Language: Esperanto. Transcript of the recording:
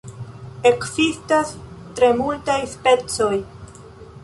Ekzistas tre multaj specoj.